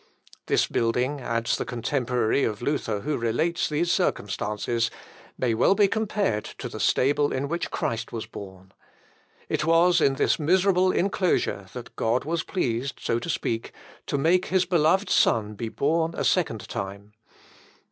"This building," adds the contemporary of Luther who relates these circumstances, "may well be compared to the stable in which Christ was born. It was in this miserable inclosure that God was pleased, so to speak, to make his beloved Son be born a second time.